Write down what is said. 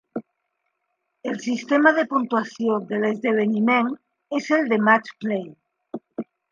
El sistema de puntuació de l'esdeveniment és el de match play.